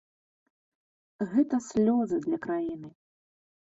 Гэта слёзы для краіны.